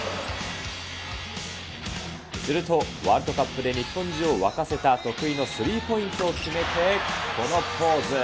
すると、ワールドカップで日本中を沸かせた得意のスリーポイントを決めて、このポーズ。